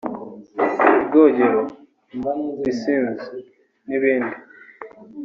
ubwogero (Piscines) n’ibindi